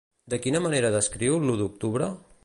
De quina manera descriu l'U d'Octubre?